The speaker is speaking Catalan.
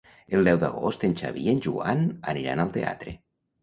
El deu d'agost en Xavi i en Joan aniran al teatre.